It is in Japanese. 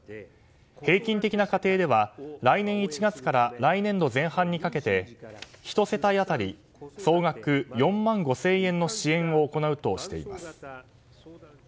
平均的な家庭では来年１月から来年度前半にかけて１世帯当たり総額４万５０００円の支援を行うとしています。